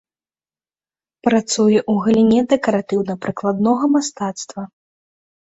Працуе ў галіне дэкаратыўна-прыкладнога мастацтва.